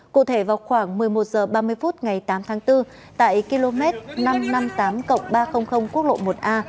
cụ thể vào khoảng một mươi một h ba mươi phút ngày tám tháng bốn tại km năm trăm năm mươi tám ba trăm linh quốc lộ một a